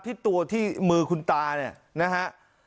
ที่ตัวที่มือคุณตานะฮะ